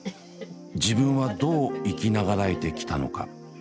自分はどう生き長らえてきたのか。